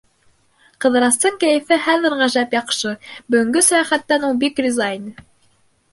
Ҡыҙырастың кәйефе хәҙер ғәжәп яҡшы, бөгөнгө сәйәхәттән ул бик риза ине.